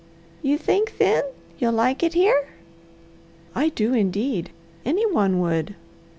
"You think, then, you'll like it here?" "I do, indeed! Any one would.